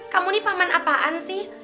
kamu ini pahaman apaan sih